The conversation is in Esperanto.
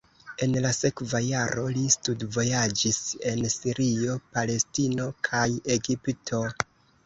En la sekva jaro li studvojaĝis en Sirio, Palestino kaj Egipto.